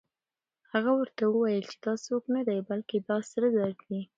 هغه ورته وویل چې دا څوک نه دی، بلکې دا سره زر دي.